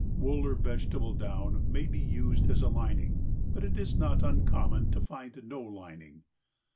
Wool or vegetable down may be used as a lining, but it is not uncommon to find no lining.